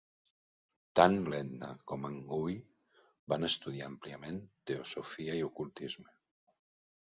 Tant l'Edna com en Guy van estudiar àmpliament Teosofia i ocultisme.